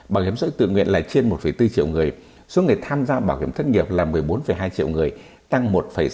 bảo hiểm xã hội tự nguyện là trên một bốn triệu người số người tham gia bảo hiểm thất nghiệp là một mươi bốn hai triệu người tăng một sáu mươi